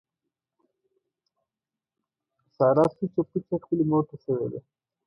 ساره سوچه پوچه خپلې مورته شوې ده.